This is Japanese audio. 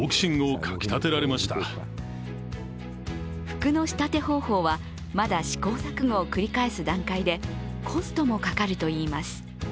服の仕立て方法はまだ試行錯誤を繰り返す段階でコストもかかるといいます。